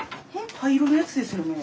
灰色のやつですよね？